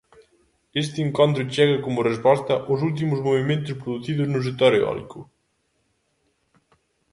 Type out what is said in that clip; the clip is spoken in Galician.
Este encontro chega como resposta aos últimos movementos producidos no sector eólico.